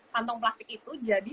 kantong plastik itu jadi